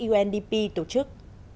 undp tổ chức